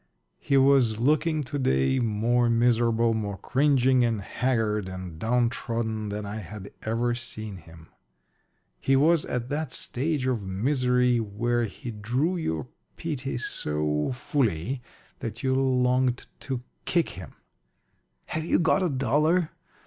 He was looking to day more miserable, more cringing and haggard and downtrodden than I had ever seen him. He was at that stage of misery where he drew your pity so fully that you longed to kick him. "Have you got a dollar?"